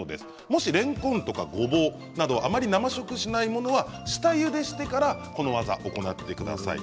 もし、れんこんやごぼうなどあまり生食しないものは下ゆでしてからこの技を行ってください。